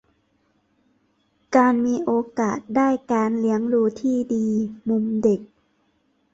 - การมีโอกาสได้การเลี้ยงดูที่ดี มุมเด็ก